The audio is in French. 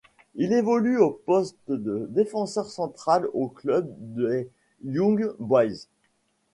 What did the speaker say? Il évolue au poste de défenseur central au club des Young Boys.